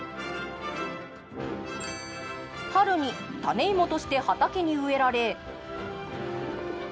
春に種芋として畑に植えられ。